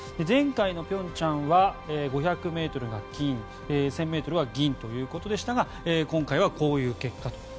前回の平昌は５００ｍが金１０００ｍは銀ということでしたが今回はこういう結果と。